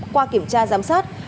qua kiểm tra giám sát